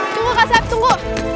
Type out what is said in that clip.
tunggu aka seb tunggu